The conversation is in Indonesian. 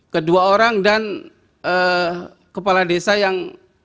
kedua orang dan kepala desa yang